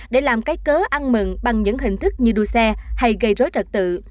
để làm cái cớ ăn mừng bằng những hình thức như đua xe hay gây rối trật tự